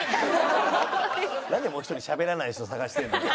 なんでもう一人しゃべらない人を探してんのよ。